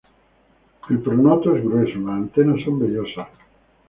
El pronoto es grueso, las antenas son vellosas.